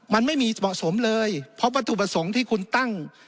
มันไม่มีเหมาะสมเลยเพราะวัตถุประสงค์ที่คุณตั้ง